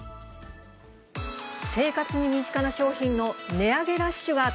生活に身近な商品の値上げラ